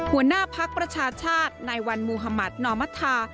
หัวหน้าภักร์ประชาชาตินายวัลมุฮัมัตินอมทรา